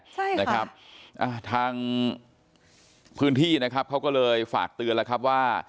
ใช่นะครับอ่าทางพื้นที่นะครับเขาก็เลยฝากเตือนแล้วครับว่า